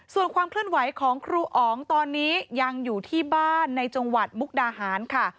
ส่วนความเคลื่อนไหวของครูอ๋องตอนนี้ยังอยู่ที่บ้านในจังหวัดมุกดาหารค่ะ